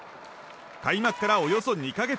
開幕からおよそ２か月